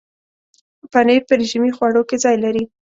پنېر په رژیمي خواړو کې ځای لري.